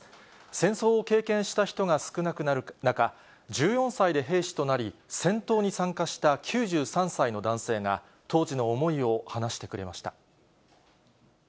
戦争を経験した人が少なくなる中、１４歳で兵士となり、戦闘に参加した９３歳の男性が、当時の思いを話してくれました。